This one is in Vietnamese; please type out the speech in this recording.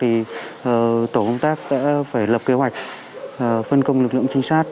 thì tổ công tác sẽ phải lập kế hoạch phân công lực lượng trinh sát